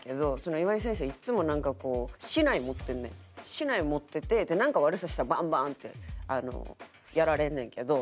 竹刀持っててなんか悪さしたらバンバンってやられんねんけど。